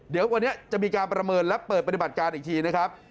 เดี๋ยววันนี้จะมีการประเมินและเปิดปฏิบัติการอีกทีนะครับ